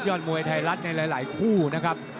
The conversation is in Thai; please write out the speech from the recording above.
อดมวยไทยรัฐในหลายคู่นะครับ